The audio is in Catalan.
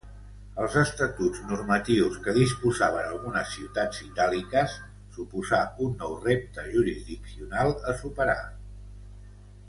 Els estatuts normatius que disposaven algunes ciutats itàliques suposà un nou repte jurisdiccional a superar.